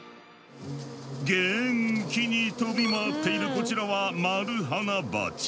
元気に飛び回っているこちらはマルハナバチ。